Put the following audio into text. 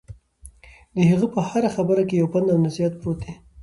د هغه په هره خبره کې یو پند او نصیحت پروت دی.